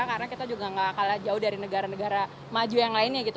karena kita juga gak kalah jauh dari negara negara maju yang lainnya gitu